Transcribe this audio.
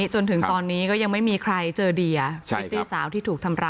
จนถึงตอนนี้ก็ยังไม่มีใครเจอเดียพริตตี้สาวที่ถูกทำร้าย